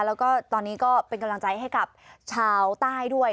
แล้วก็ตอนนี้ก็เป็นกำลังใจให้กับชาวใต้ด้วย